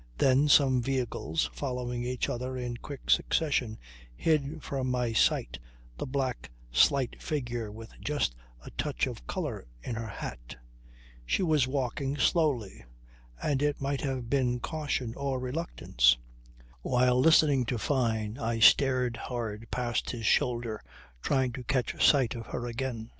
Then some vehicles following each other in quick succession hid from my sight the black slight figure with just a touch of colour in her hat. She was walking slowly; and it might have been caution or reluctance. While listening to Fyne I stared hard past his shoulder trying to catch sight of her again.